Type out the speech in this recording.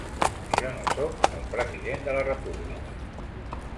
Jo no soc el president de la República.